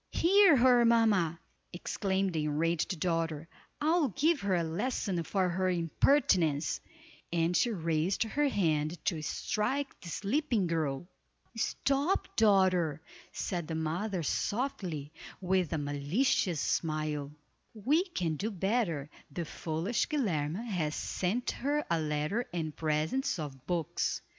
"Hear her, mamma," exclaimed the enraged daughter, "I'll give her a lesson for her impertinence," and she raised her hand to strike the sleeping girl. "Stop, daughter," said the mother, softly, with a malicious smile, "we can do better. The foolish Guilerme has sent her a letter and presents of books.